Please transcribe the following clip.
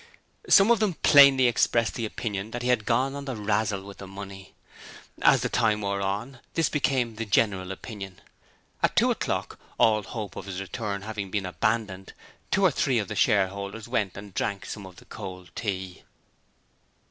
Some of them plainly expressed the opinion that he had gone on the razzle with the money. As the time wore on, this became the general opinion. At two o'clock, all hope of his return having been abandoned, two or three of the shareholders went and drank some of the cold tea.